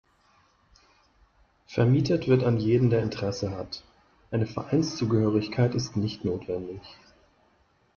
Vermietet wird an jeden der Interesse hat, eine Vereinszugehörigkeit ist nicht notwendig.